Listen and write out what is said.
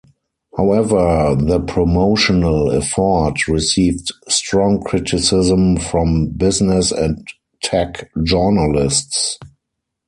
However, the promotional effort received strong criticism from business and tech journalists.